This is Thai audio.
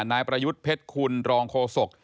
นายประยุทธ์เพชรคุณรองโฆษก